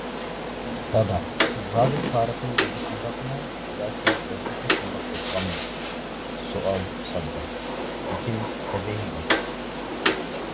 دادا، زادى تارىخنىڭ ئۆزى شۇنداقمۇ ياكى يازغۇچى شۇنداق يازغانمۇ؟ سوئال ساددا، لېكىن تەبىئىي ئىدى.